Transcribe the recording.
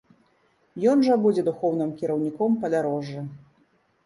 Ён жа будзе духоўным кіраўніком падарожжа.